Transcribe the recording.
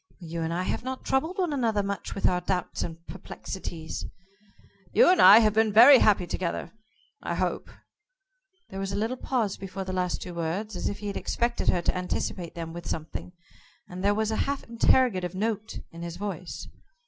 "You and I have not troubled one another much with our doubts and perplexities." "You and I have been very happy together I hope." There was a little pause before the last two words, as if he had expected her to anticipate them with something, and there was a half interrogative note in his voice.